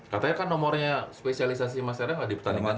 katanya kan nomornya spesialisasi mas tera enggak dipertandingkan